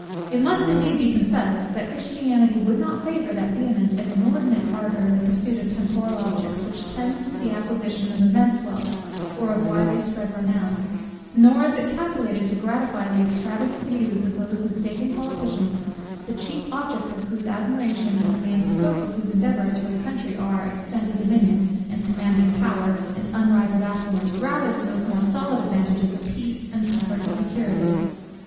It must indeed be confessed that Christianity would not favour that vehement and inordinate ardour in the pursuit of temporal objects, which tends to the acquisition of immense wealth, or of widely spread renown: nor is it calculated to gratify the extravagant views of those mistaken politicians, the chief object of whose admiration, and the main scope of whose endeavours for their country, are, extended dominion, and commanding power, and unrivalled affluence, rather than those more solid advantages of peace, and comfort, and security.